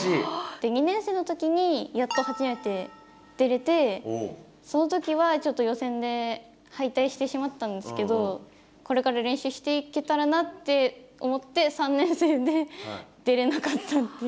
で２年生の時にやっと初めて出れてそのときはちょっと予選で敗退してしまったんですけどこれから練習していけたらなって思って学生生活の。